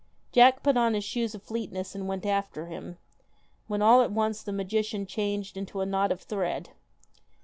Jack put on his shoes of swiftness and went after him, when all at once the magician changed into a knot of thread.